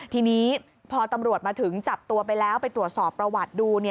ทีนี้พอตำรวจมาถึงจับตัวไปแล้วไปตรวจสอบประวัติดู